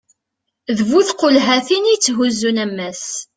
d bu tqulhatin i yetthuzzun ammas